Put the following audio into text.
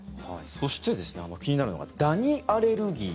そして、気になるのがダニアレルギー。